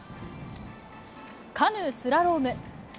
カヌー・スラローム。